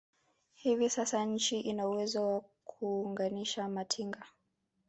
Hivi sasa nchi ina uwezo wa kuunganisha matinga